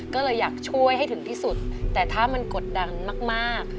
ก็เลยอยากช่วยให้ถึงที่สุดแต่ถ้ามันกดดันมาก